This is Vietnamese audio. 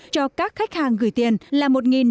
cho các khách hàng gửi tiền là một năm trăm bảy mươi